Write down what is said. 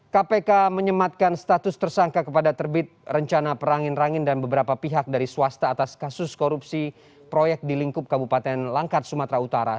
kpk menyematkan status tersangka kepada terbit rencana perangin rangin dan beberapa pihak dari swasta atas kasus korupsi proyek di lingkup kabupaten langkat sumatera utara